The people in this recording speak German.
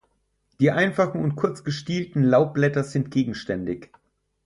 Die einfachen und kurz gestielten Laubblätter sind gegenständig.